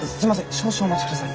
少々お待ちください。